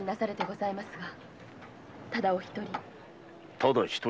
ただ一人？